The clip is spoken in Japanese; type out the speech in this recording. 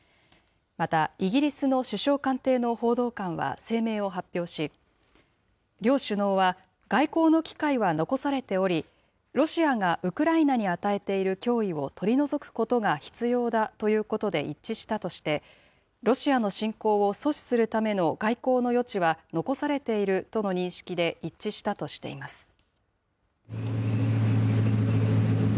また、イギリスの首相官邸の報道官は声明を発表し、両首脳は、外交の機会は残されており、ロシアがウクライナに与えている脅威を取り除くことが必要だということで一致したとして、ロシアの侵攻を阻止するための外交の余地は残されているとの認識で一致したとしています。